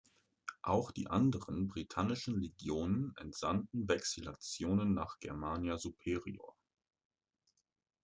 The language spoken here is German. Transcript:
Auch die anderen britannischen Legionen entsandten Vexillationen nach Germania superior.